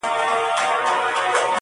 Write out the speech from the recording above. مګر دا څه وخت کیږې